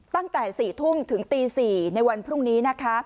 ตั้งแต่๔ทุ่มถึงตี๔ในวันพรุ่งนี้นะคะ